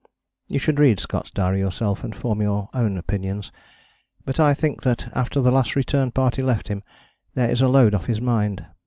You should read Scott's diary yourself and form your own opinions, but I think that after the Last Return Party left him there is a load off his mind.